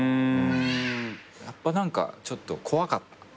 やっぱちょっと怖かった。